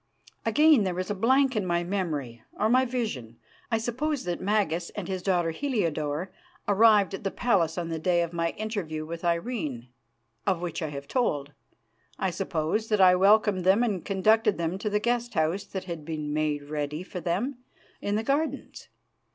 Again there is a blank in my memory, or my vision. I suppose that Magas and his daughter Heliodore arrived at the palace on the day of my interview with Irene, of which I have told. I suppose that I welcomed them and conducted them to the guest house that had been made ready for them in the gardens.